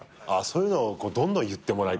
そういうのどんどん言って。